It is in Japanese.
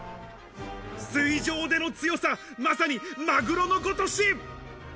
水上での強さ、まさにマグロのごとし。